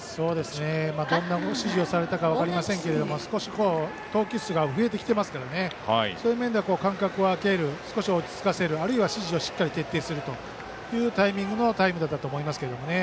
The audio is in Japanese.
どんな指示をされたか分かりませんけれども少し投球数が増えてきていますからねそういう面では間隔を空ける少し落ち着かせるあるいは指示を徹底するというタイミングのタイムだったと思います。